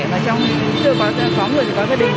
và trong những khi có người thì có gia đình